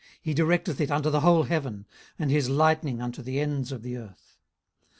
18:037:003 He directeth it under the whole heaven, and his lightning unto the ends of the earth.